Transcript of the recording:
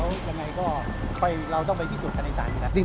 แล้วยังไงก็ไปเราต้องไปพิสูจน์คันในสารกัน